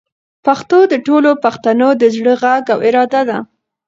پښتو د ټولو پښتنو د زړه غږ او اراده ده.